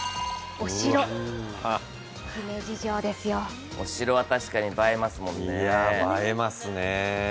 お城は確かに映えますもんね。